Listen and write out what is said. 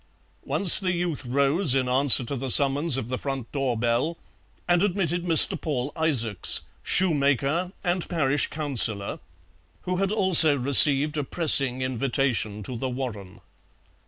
Once the youth rose, in answer to the summons of the front door bell, and admitted Mr. Paul Isaacs, shoemaker and parish councillor, who had also received a pressing invitation to The Warren.